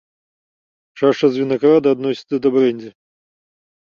Чача з вінаграда адносіцца да брэндзі.